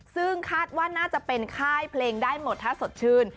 ซึ่งคาดว่าน่าจะเป็นค่ายเพลงได้หมดถ้าสดชื่น